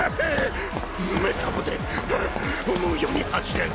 メタボで思うように走れん。